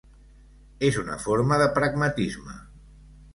És una forma de pragmatisme.